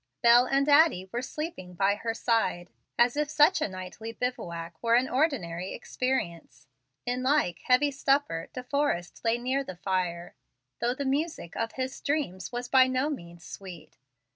Bel and Addie were sleeping by her side as soundly as if such a nightly bivouac were an ordinary experience. In like heavy stupor De Forrest lay near the fire, though the music of his dreams was by no means sweet.